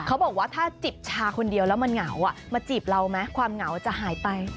เขาบอกว่าถ้าจิบชาคนเดียวแล้วมันเหงามาจีบเราไหมความเหงาจะหายไป